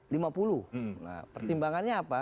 nah pertimbangannya apa